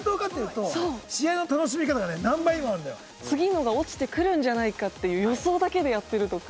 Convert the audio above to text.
次のが落ちてくるんじゃないかっていう予想だけでやってるとか。